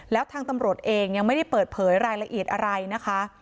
แล้วทางตำรวจเองยังไม่ได้เปิดเผยรายละเอียดอะไรนะคะ